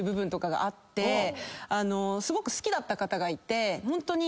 すごく好きだった方がいてホントに。